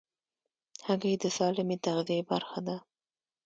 هګۍ د سالمې تغذیې برخه ده.